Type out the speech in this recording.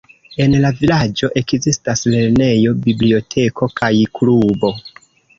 En la vilaĝo ekzistas lernejo, biblioteko kaj klubo.